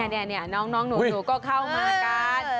นี่น้องหนูก็เข้ามากัน